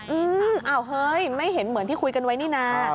อืมอ้าวเฮ้ยไม่เห็นเหมือนที่คุยกันไว้นี่นะ